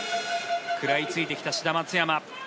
食らいついてきた志田・松山。